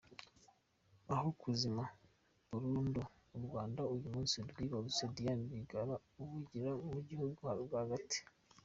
Aho kuzima burundu u Rwanda uyu munsi rwibarutse Diane Rwigara uvugira mu gihugu rwagati